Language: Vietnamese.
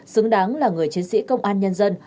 xứng đáng là người chiến sĩ công an nhân dân